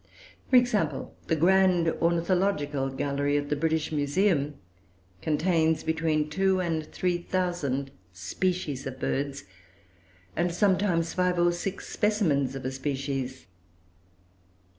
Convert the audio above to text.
For example, the grand ornithological gallery at the British Museum contains between two and three thousand species of birds, and sometimes five or six specimens of a species.